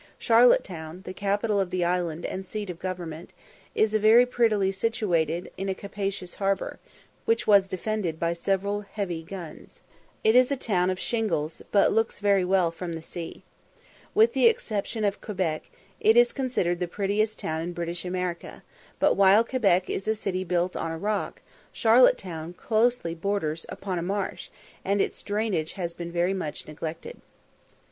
Charlotte Town, the capital of the island and the seat of government, is very prettily situated on a capacious harbour, which was defended by several heavy guns. It is a town of shingles, but looks very well from the sea. With the exception of Quebec, it is considered the prettiest town in British America; but while Quebec is a city built on a rock, Charlotte Town closely borders upon a marsh, and its drainage has been very much neglected.